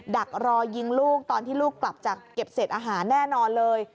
ดักรอยิงลูกตอนที่ลูกกลับจากเก็บเศษอาหารแน่นอนเลย